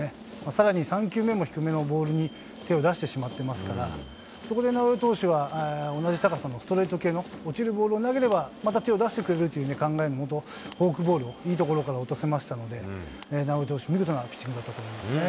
さらに３球目も低めのボールに手を出してしまっていますから、そこで直江投手は、同じ高さのストレート系の落ちるボールを投げれば、また手を出してくれるという考えのもと、フォークボールをいい所から落とせましたので、直江投手、見事なピッチングだったと思いますね。